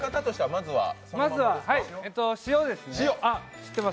まずは塩ですね。